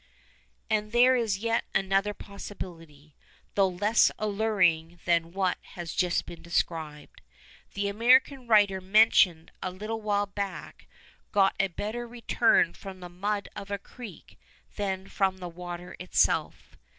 And there is yet another possibility, though less alluring than what has just been described. The American writer mentioned a little while back got a better return from the mud of a creek than from the water itself.